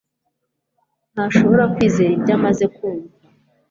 ntashobora kwizera ibyo amaze kumva